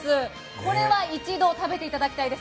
これは一度食べていただきたいです。